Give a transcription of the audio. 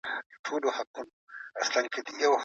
تاسي باید تل په خپلو خوړو پام وکړئ.